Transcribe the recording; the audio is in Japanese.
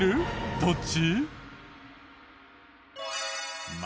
どっち？